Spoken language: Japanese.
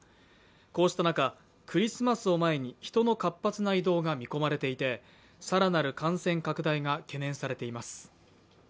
こうした中、クリスマスを前に人の活発な移動が見込まれていて更なる感染拡大が懸念されています。